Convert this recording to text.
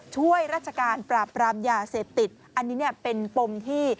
ช่วยราชการปราบปรามยาเสพติดอันนี้เนี่ยเป็นปมที่